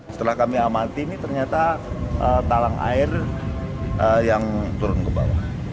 setelah kami amati ini ternyata talang air yang turun ke bawah